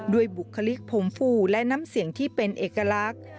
บุคลิกผมฟูและน้ำเสียงที่เป็นเอกลักษณ์